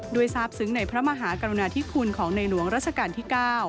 ทราบซึ้งในพระมหากรุณาธิคุณของในหลวงราชการที่๙